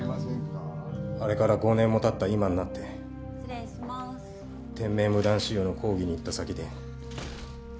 あれから５年も経った今になって店名無断使用の抗議に行った先で。